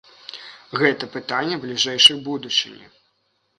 Гэта пытанне бліжэйшай будучыні.